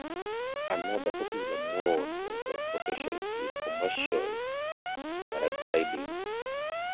Another popular mode of transportation is commercial paragliding.